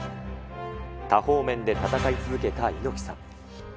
多方面で戦い続けた猪木さん。